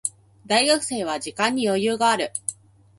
大学生は時間に余裕がある。